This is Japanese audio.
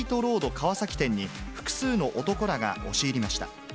川崎店に、複数の男らが押し入りました。